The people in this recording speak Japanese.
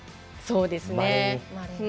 そうですね。